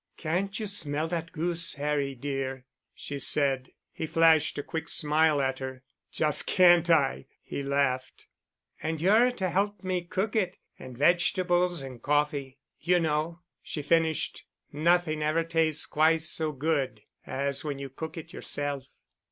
"Can't you smell that goose, Harry dear?" she said. He flashed a quick smile at her. "Just can't I!" he laughed. "And you're to help me cook it—and vegetables and coffee. You know"—she finished, "nothing ever tastes quite so good as when you cook it yourself."